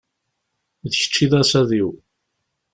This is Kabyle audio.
D kečč i d asaḍ-iw.